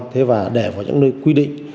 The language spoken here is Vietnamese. thế và để vào những nơi quy định